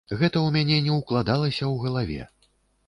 Гэта ў мяне не ўкладалася ў галаве.